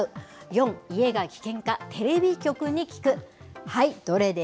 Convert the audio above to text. ４、家が危険か、テレビ局に聞く。